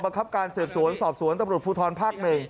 บังคับการเสริมสวนสอบสวนตำรวจภูทรภาค๑